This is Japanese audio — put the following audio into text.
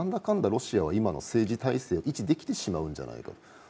ロシアは今の政治体制を維持できてしまうんじゃないか。